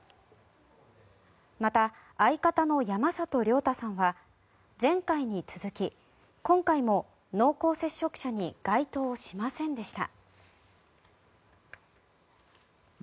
また、相方の山里亮太さんは前回に続き、今回も濃厚接触者に該当しませんでした。